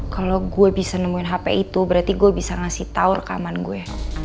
kalau gue bisa nemuin hp itu berarti gue bisa ngasih tau rekaman gue